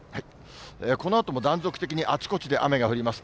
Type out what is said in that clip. このあとも断続的にあちこちで雨が降ります。